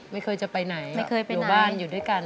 ไม่เคยจะไปไหนอยู่บ้านอยู่ด้วยกัน